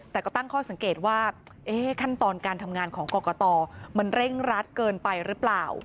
แต่ก็ตั้งข้อสังเกตว่าขั้นตอนการทำงานของกรกตมันเร่งรัดเกินไปหรือเปล่า